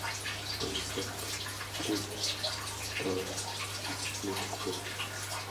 “All that glitters is not gold.”